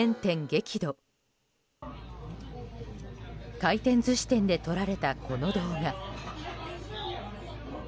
回転寿司店で撮られたこの動画。